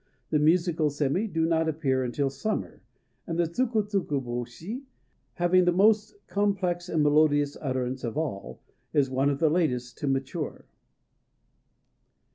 The musical sémi do not appear until summer; and the tsuku tsuku bôshi, having the most complex and melodious utterance of all, is one of the latest to mature.